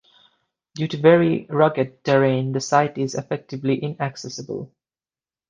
Due to very rugged terrain the site is effectively inaccessible.